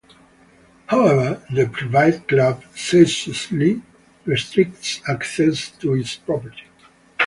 However, the private club zealously restricts access to its property.